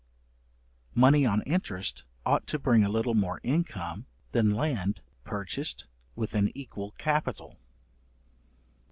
Money on interest ought to bring a little more income, than land purchased with an equal capital.